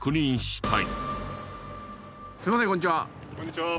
すいませんこんにちは。